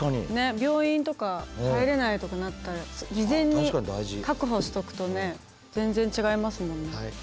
病院とか入れないとかなったら事前に確保しとくとね全然違いますもんね。